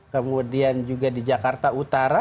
kemudian juga di jakarta utara